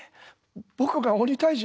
僕が鬼退治？